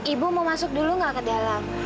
ibu mau masuk dulu nggak ke dalam